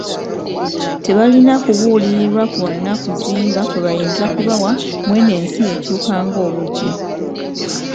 Tebalina kubuulirira kwonna kuzimba kwebayinza kubawa mu eno ensi ekyuka ng'obudde!